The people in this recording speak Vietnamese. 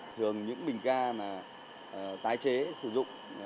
thường những bình ga mà tái chế sử dụng